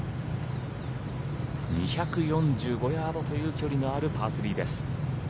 ２４５ヤードという距離のあるパー３です。